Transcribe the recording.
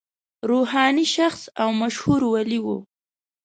روحاني شخص او مشهور ولي و.